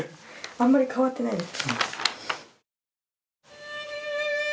あんまり変わってないです。